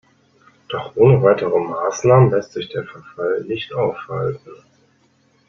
Doch ohne weitere Maßnahmen lässt sich der Verfall nicht aufhalten.